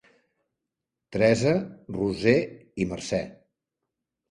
Teresa, Roser i Mercè.